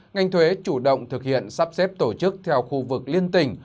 ngành thuế chủ động thực hiện sắp xếp tổ chức theo khu vực liên tỉnh